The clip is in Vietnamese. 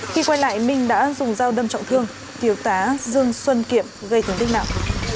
khi quay lại minh đã dùng dao đâm trọng thương thiếu tá dương xuân kiệm gây thương tích nặng